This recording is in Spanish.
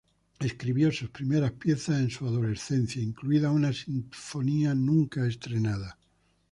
Escribió sus primeras piezas en su adolescencia, incluida una sinfonía nunca estrenada.